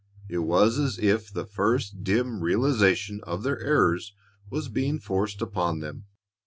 It was as if the first dim realization of their errors was being forced upon them.